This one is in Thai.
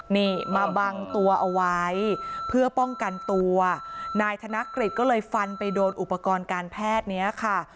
นี่มาบังตัวเอาไว้เพื่อป้องกันตัวนายธนกฤษก็เลยฟันไปโดนอุปกรณ์การแพทย์เนี้ยค่ะ